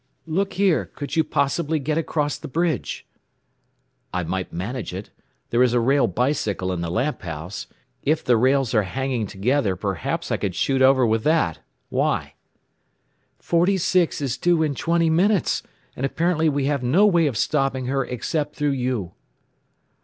"Look here, could you possibly get across the bridge?" "I might manage it. There is a rail bicycle in the lamp house. If the rails are hanging together perhaps I could shoot over with that. Why?" "46 is due in twenty minutes, and apparently we have no way of stopping her except through you."